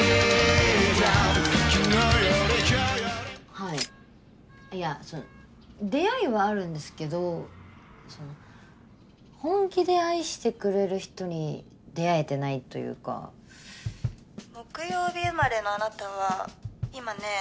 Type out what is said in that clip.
はいいや出会いはあるんですけどその本気で愛してくれる人に出会えてないというかノートパソコン「木曜日生まれのあなたは今ね